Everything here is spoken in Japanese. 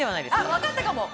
わかったかも。